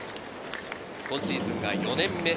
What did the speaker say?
今シーズンが４年目。